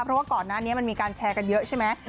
เพราะว่าก่อนหน้านี้มันมีการแชร์กันเยอะใช่ไหม